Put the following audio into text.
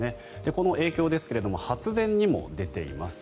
この影響ですが発電にも出ています。